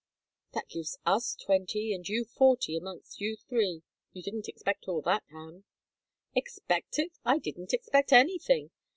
"That gives us two twenty and you forty amongst you three. You didn't expect all that, Ham." "Expect it! I didn't expect anything.